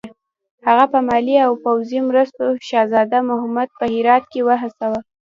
هغه په مالي او پوځي مرستو شهزاده محمود په هرات کې وهڅاوه.